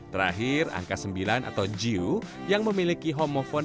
terakhir angka sembilan atau ju yang memiliki homofon